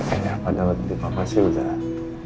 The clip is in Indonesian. eh pada waktu di papa sih udah